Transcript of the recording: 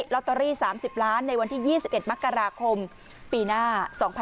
ลอตเตอรี่๓๐ล้านในวันที่๒๑มกราคมปีหน้า๒๕๖๒